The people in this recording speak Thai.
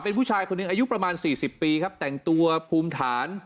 เป็นผู้ชายคนหนึ่งอายุประมาณ๔๐ปีครับแต่งตัวภูมิฐาน